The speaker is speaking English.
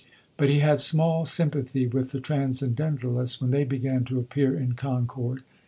But he had small sympathy with the Transcendentalists when they began to appear in Concord.